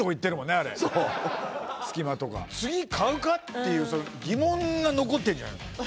あれ隙間とか次買うか？っていう疑問が残ってんじゃないの？